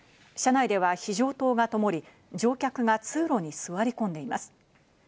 車内では非常灯がともり、乗客が通路に座り込んでいます。